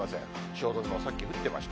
汐留もさっき降ってました。